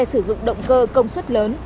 sử dụng động cơ công suất lớn